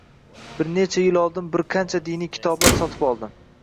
"Bir necha yil oldin bir qancha diniy kitoblar sotib oldim.